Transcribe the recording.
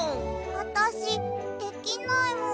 あたしできないもん。